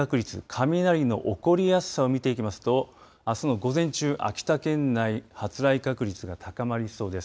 雷の起こりやすさを見ていきますとあすの午前中、秋田県内発雷確率が高まりそうです。